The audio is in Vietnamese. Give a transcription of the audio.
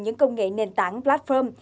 những công nghệ nền tảng platform